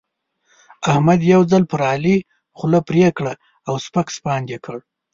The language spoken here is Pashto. احمد یو ځل پر علي خوله پرې کړه او سپک سپاند يې کړ.